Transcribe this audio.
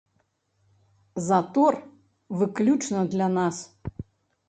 Затор выключна для нас.